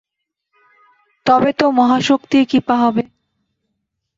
তবে তো মহাশক্তির কৃপা হবে।